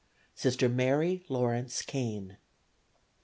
Sister Mary Laurence Kane.